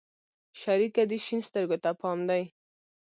شريکه دې شين سترگو ته پام دى؟